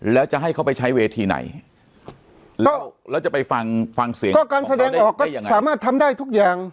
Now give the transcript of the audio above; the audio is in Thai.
แล้วจะให้เขาไปใช้เวทีไหนก็แล้วจะไปฟังฟังเสียงก็การแสดงออกก็สามารถทำได้ทุกอย่าง